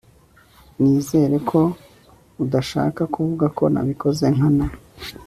Nizere ko udashaka kuvuga ko nabikoze nkana